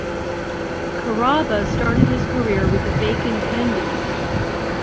Carrabba started his career with the Vacant Andys.